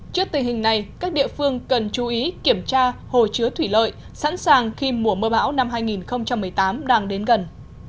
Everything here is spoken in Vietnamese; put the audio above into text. trước tình hình này các địa phương cần chú ý kiểm tra hồ chứa thủy lợi sẵn sàng khi mùa mưa bão năm hai nghìn một mươi tám đang đến gần